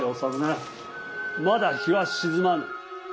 「まだ陽は沈まぬ」。